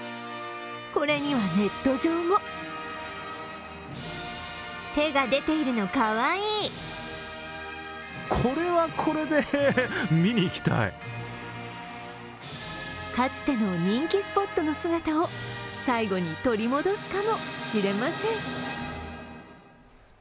これにはネット上もかつての人気スポットの姿を最後に取り戻すかもしれません。